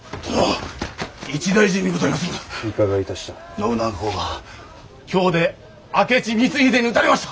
信長公が京で明智光秀に討たれました！